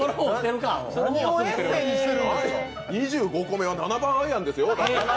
２５個目は７番アイアンですよ